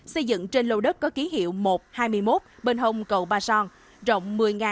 xây dựng trên lầu đất có ký hiệu một hai mươi một bên hông cầu ba son